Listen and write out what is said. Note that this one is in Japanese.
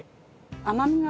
甘みが。